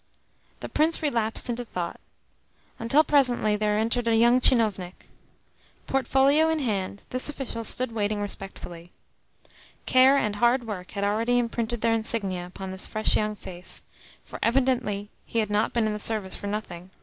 The Prince relapsed into thought; until presently there entered a young tchinovnik. Portfolio in hand, this official stood waiting respectfully. Care and hard work had already imprinted their insignia upon his fresh young face; for evidently he had not been in the Service for nothing.